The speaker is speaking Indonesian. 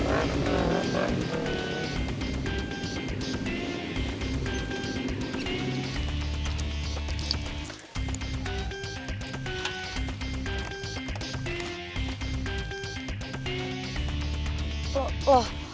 aduh gimana sih